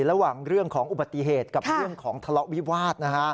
ระหว่างเรื่องของอุบัติเหตุกับเรื่องของทะเลาะวิวาส